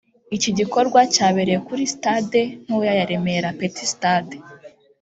Iki gikorwa cyabereye kuri Stade ntoya ya Remera (Petit Stade)